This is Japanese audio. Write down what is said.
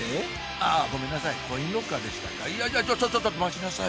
あぁごめんなさいコインロッカーでしたかいやちょっと待ちなさい